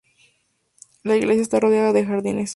La iglesia está rodeada de jardines.